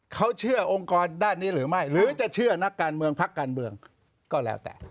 เขาเชื่อองค์กรด้านนี้หรือไม่หรือจะเชื่อนักการเมืองพักการเมืองก็แล้วแต่